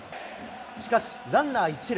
しかし、ランナー一塁。